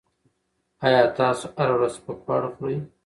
ایا تاسو هره ورځ سپک خواړه خوري؟